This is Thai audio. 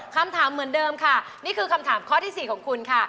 คำถามเหมือนเดิมค่ะนี่คือคำถามข้อที่๔ของคุณค่ะ